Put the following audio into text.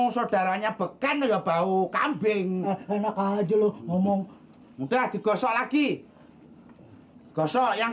saudaranya beken bau kambing enak aja lu ngomong udah digosok lagi hai gosok yang